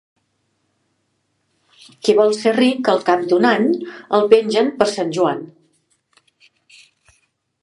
Qui vol ser ric al cap d'un any, el pengen per Sant Joan.